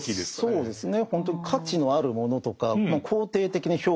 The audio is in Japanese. そうですね